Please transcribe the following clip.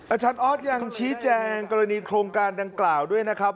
อาจารย์ออสยังชี้แจงกรณีโครงการดังกล่าวด้วยนะครับ